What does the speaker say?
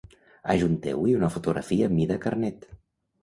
Adjunteu-hi una fotografia mida carnet.